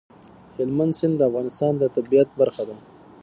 هلمند سیند د افغانستان د طبیعت برخه ده.